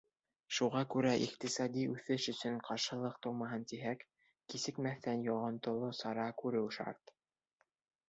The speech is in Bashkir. Шуға күрә иҡтисади үҫеш өсөн ҡаршылыҡ тыумаһын тиһәк, кисекмәҫтән йоғонтоло сара күреү шарт.